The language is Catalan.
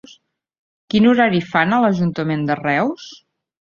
Quin horari fan a l'ajuntament de Reus?